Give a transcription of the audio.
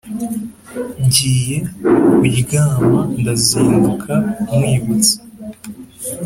.giye kuryama Ndazinduka nkwibutsa